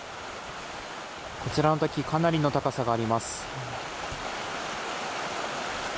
こちらの滝かなりの高さがあります。